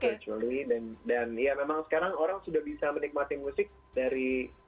virtually dan ya memang sekarang orang sudah bisa menikmati musik dari